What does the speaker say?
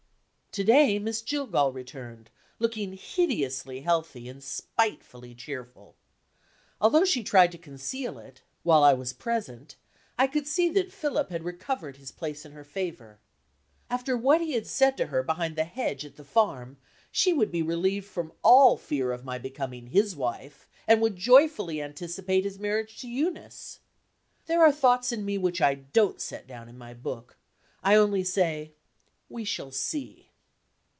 To day, Miss Jillgall returned, looking hideously healthy and spitefully cheerful. Although she tried to conceal it, while I was present, I could see that Philip had recovered his place in her favor. After what he had said to her behind the hedge at the farm, she would be relieved from all fear of my becoming his wife, and would joyfully anticipate his marriage to Eunice. There are thoughts in me which I don't set down in my book. I only say: We shall see.